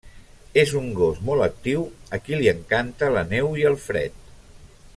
És un gos molt actiu a qui li encanta la neu i el fred.